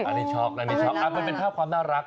อันนี้ช็อกอันนี้ช็อกมันเป็นภาพความน่ารัก